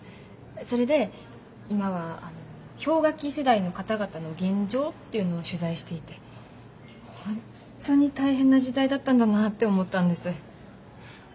それで今は氷河期世代の方々の現状っていうのを取材していてホントに大変な時代だったんだなって思ったんです。